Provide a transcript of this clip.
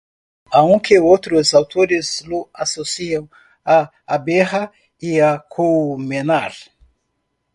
Aunque otros autores lo asocian a "abeja" y a "colmenar".